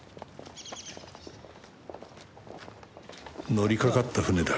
乗りかかった船だ